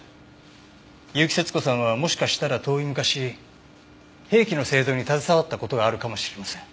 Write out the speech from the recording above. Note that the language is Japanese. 結城節子さんはもしかしたら遠い昔兵器の製造に携わった事があるかもしれません。